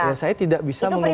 ya saya tidak bisa mengatakan